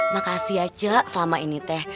makasih ya cek selama ini teh